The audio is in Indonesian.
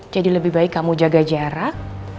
jadi lebih baik kamu jaga jarak